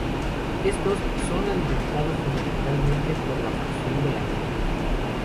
Estos, son alimentados fundamentalmente por la fusión de la nieve.